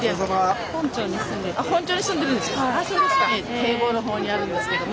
堤防の方にあるんですけども。